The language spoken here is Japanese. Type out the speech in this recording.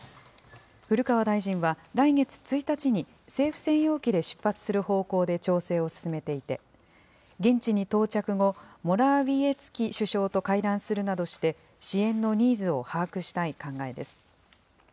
古川大臣は来月１日に、政府専用機で出発する方向で調整を進めていて、現地に到着後、モラウィエツキ首相と会談するなどして、支援のニーズを把握したい考えです。